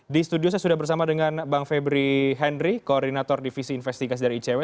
di studio saya sudah bersama dengan bang febri henry koordinator divisi investigasi dari icw